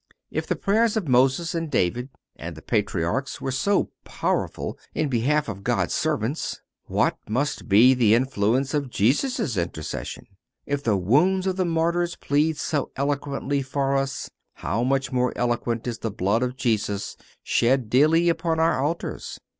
(405) If the prayers of Moses and David and the Patriarchs were so powerful in behalf of God's servants, what must be the influence of Jesus' intercession? If the wounds of the Martyrs plead so eloquently for us, how much more eloquent is the blood of Jesus shed daily upon our altars?